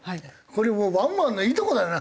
これもうワンマンもいいとこだよな。